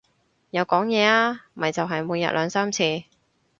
有講嘢啊，咪就係每日兩三次